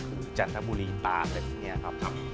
คือจานทะบุรีปลาอะไรแบบนี้ครับ